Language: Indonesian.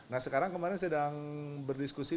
nah sekarang kemarin sedang berdiskusi